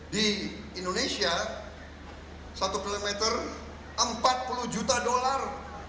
di dunia satu kilometer delapan juta dolar